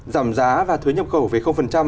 giảm giá và thuế nhập khẩu về